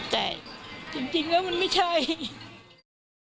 แต่จริงแล้วมันไม่ใช่